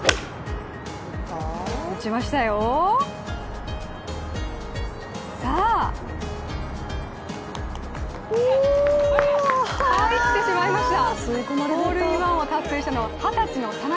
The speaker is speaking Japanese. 打ちましたよ、さあ入ってしまいました。